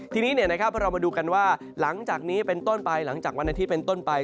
ทีนี้เรามาดูกันว่าหลังจากนี้เป็นต้นไปหลังจากวันอาทิตย์เป็นต้นไป